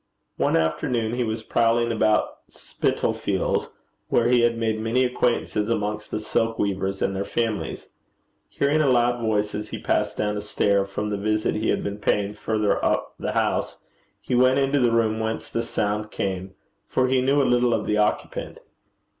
One afternoon he was prowling about Spitalfields, where he had made many acquaintances amongst the silk weavers and their families. Hearing a loud voice as he passed down a stair from the visit he had been paying further up the house, he went into the room whence the sound came, for he knew a little of the occupant.